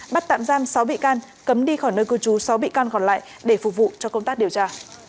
bắt tạm giam sáu bị can cấm đi khỏi nơi cư trú sáu bị can còn lại để phục vụ cho công tác điều tra